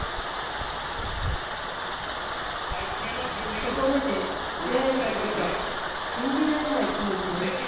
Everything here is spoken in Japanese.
ここまでこられたこと信じられない気持ちです。